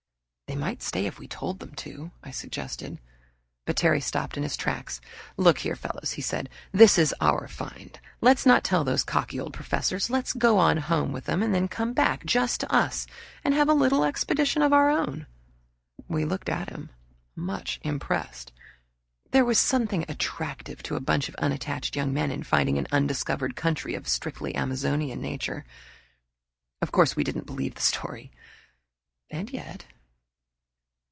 "They might stay if we told them," I suggested. But Terry stopped in his tracks. "Look here, fellows," he said. "This is our find. Let's not tell those cocky old professors. Let's go on home with 'em, and then come back just us have a little expedition of our own." We looked at him, much impressed. There was something attractive to a bunch of unattached young men in finding an undiscovered country of a strictly Amazonian nature. Of course we didn't believe the story but yet!